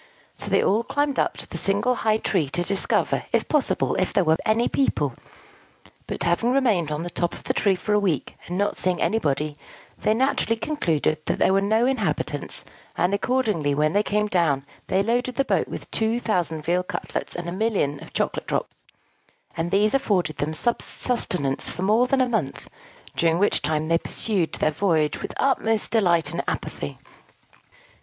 So they all climbed up the single high tree to discover, if possible, if there were any people; but having remained on the top of the tree for a week, and not seeing anybody, they naturally concluded that there were no inhabitants; and accordingly, when they came down, they loaded the boat with two thousand veal cutlets and a million of chocolate drops; and these afforded them sustenance for more than a month, during which time they pursued their voyage with the utmost delight and apathy.